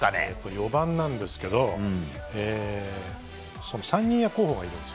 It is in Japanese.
４番なんですけど３人候補がいるんです。